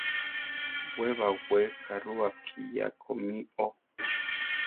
We baʼwée ka rua kiʼyá ko mí o.